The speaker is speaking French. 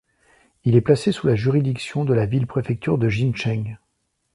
Il est placé sous la juridiction de la ville-préfecture de Jincheng.